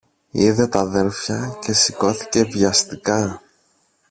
Είδε τ' αδέλφια και σηκώθηκε βιαστικά